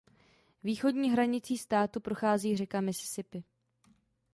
Východní hranicí státu prochází řeka Mississippi.